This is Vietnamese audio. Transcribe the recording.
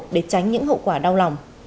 để tránh những hậu quả đau lòng